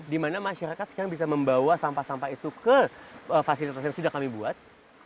di mana masyarakat sekarang bisa membawa sampah sampah itu ke fasilitas yang sudah kami buat